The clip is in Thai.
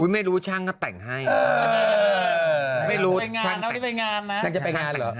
ไม่รู้มันใครก็แต่งให้